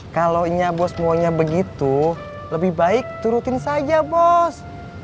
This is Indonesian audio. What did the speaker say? kalaunya bos maunya begitu lebih baik turutin saja bos